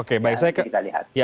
oke baik saya kembali ke mas